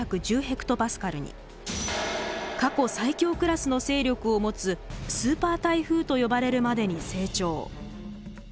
過去最強クラスの勢力を持つスーパー台風と呼ばれるまでに成長。